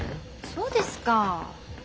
そうですか。